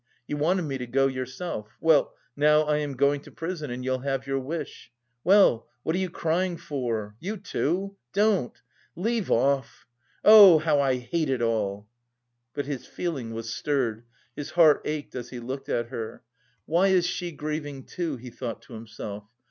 You wanted me to go yourself. Well, now I am going to prison and you'll have your wish. Well, what are you crying for? You too? Don't. Leave off! Oh, how I hate it all!" But his feeling was stirred; his heart ached, as he looked at her. "Why is she grieving too?" he thought to himself.